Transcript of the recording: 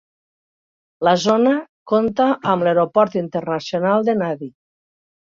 La zona compta amb l'aeroport internacional de Nadi.